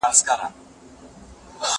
زه پرون د سبا لپاره د يادښتونه بشپړوم!.